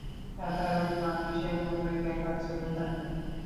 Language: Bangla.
সাধারণ মানুষের মতই দেখাচ্ছিল তাকে।